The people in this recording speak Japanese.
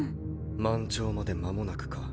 満潮まで間もなくか。